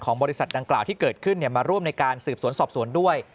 บริษัทดังกล่าวที่เกิดขึ้นมาร่วมในการสืบสวนสอบสวนด้วย